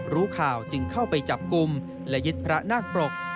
รู้ข่าวจึงเข้าไปจับกลุ่มและยึดพระนาคปรก